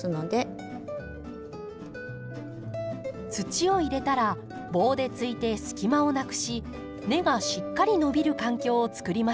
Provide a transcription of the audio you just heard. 土を入れたら棒でついて隙間をなくし根がしっかり伸びる環境をつくりましょう。